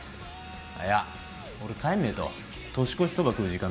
いや俺帰んねえと年越しそば食う時間だからよ。